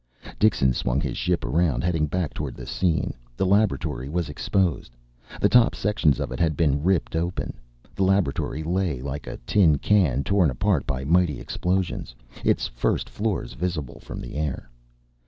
Dixon swung his ship around, heading back toward the scene. The laboratory was exposed. The top sections of it had been ripped open. The laboratory lay like a tin can, torn apart by mighty explosions, its first floors visible from the air.